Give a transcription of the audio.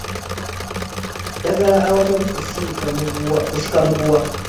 Naddala awatali kusika muguwa